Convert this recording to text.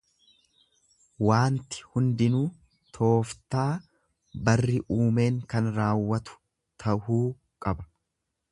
Waanti hundinuu tooftaa barri uumeen kan raawwatu tahuu qaba.